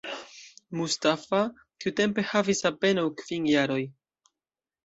Mustafa tiutempe havis apenaŭ kvin jaroj.